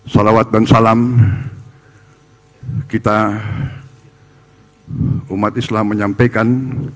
salawat dan salam kita umat islam menyampaikan